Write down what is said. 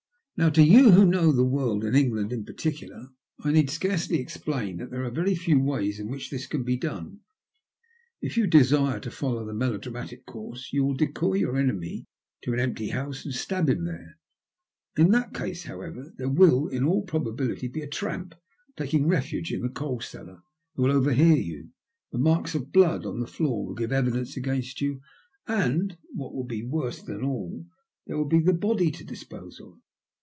Now, to you who know the world, and England in particular, I need scarcely explain that there are very few ways in which this can be done. If you desire to follow the melo dramatic course, you will decoy your enemy to an empty house and stab him there ; in that case, how ever, there will, in all probability, be a tramp taking refuge in the coal cellar who will overhear you, the marks of blood on the floor will give evidence against you, and — what will be worse than all — there will be the body to dispose of.